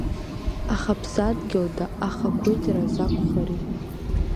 Аха ԥсадгьылда ахақәиҭра закәхари…